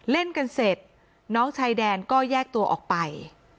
เล่นกันเสร็จน้องชายแดนก็แยกตัวออกไป